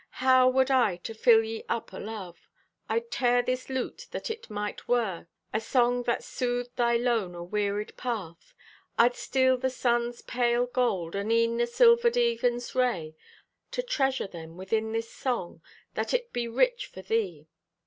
How would I to fill ye up o' love! I'd tear this lute, that it might whirr A song that soothed thy lone, awearied path. I'd steal the sun's pale gold, And e'en the silvered even's ray, To treasure them within this song That it be rich for thee.